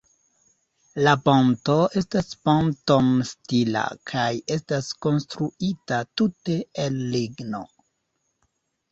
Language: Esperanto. La ponto estas ponton-stila kaj estas konstruita tute el ligno.